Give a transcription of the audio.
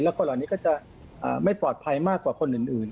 คนเหล่านี้ก็จะไม่ปลอดภัยมากกว่าคนอื่น